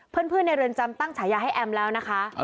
เพื่อนในเรือนจำตั้งฉายาให้แอมแล้วนะคะ